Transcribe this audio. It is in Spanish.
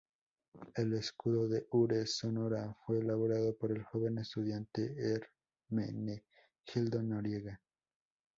El escudo de Ures, Sonora, fue elaborado por el joven estudiante Hermenegildo Noriega.